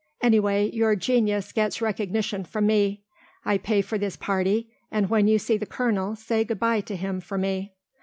Anyway your genius gets recognition from me. I pay for this party and when you see the colonel say good bye to him for me."